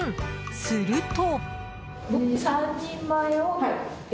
すると。